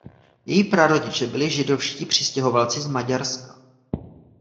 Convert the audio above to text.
Její prarodiče byli židovští přistěhovalci z Maďarska.